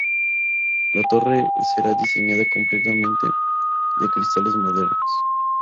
La torre será diseñada completamente de cristales modernos.